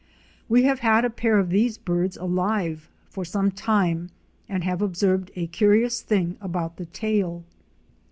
We have had a pair of these birds alive for some time and have observed a curious thing about the tail.